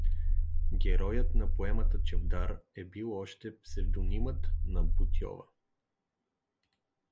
Героят на поемата Чавдар е бил още псевдонимът на Ботйова.